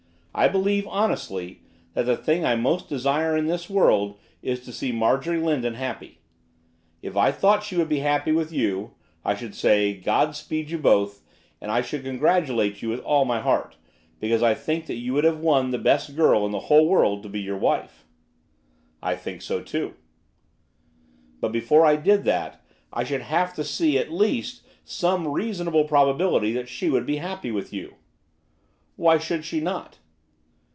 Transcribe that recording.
I believe, honestly, that the thing I most desire in this world is to see Marjorie Lindon happy. If I thought she would be happy with you, I should say, God speed you both! and I should congratulate you with all my heart, because I think that you would have won the best girl in the whole world to be your wife.' 'I think so too.' 'But, before I did that, I should have to see, at least, some reasonable probability that she would be happy with you.' 'Why should she not?